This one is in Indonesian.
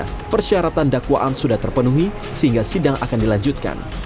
pada saat ini persyaratan dakwaan sudah terpenuhi sehingga sidang akan dilanjutkan